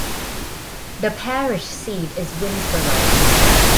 The parish seat is Winnsboro.